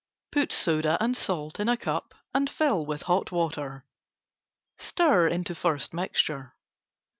Put soda and salt in a cup and fill with hot water. Stir into first mixture.